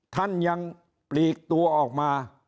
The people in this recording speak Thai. ท่านยังปลีกตัวออกมา